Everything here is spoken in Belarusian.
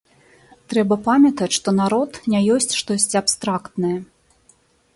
Трэба памятаць, што народ не ёсць штосьці абстрактнае.